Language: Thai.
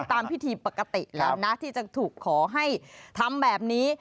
ตามพิธีปกติแล้วนะที่จะถูกขอให้ทำแบบนี้